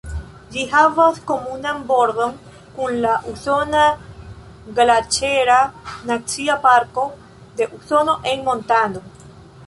Ĝi havas komunan bordon kun la usona Glaĉera Nacia Parko de Usono en Montano.